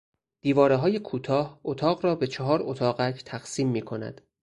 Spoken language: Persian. دیوارههای کوتاه اتاق را به چهار اتاقک تقسیم میکند.